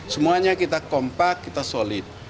semuanya kita kompak kita solid